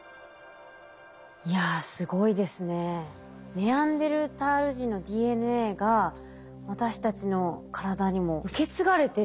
ネアンデルタール人のＤＮＡが私たちの体にも受け継がれてるんですね。